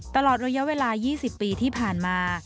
ตลอดระยะเวลา๒๐ปีที่ผ่านมา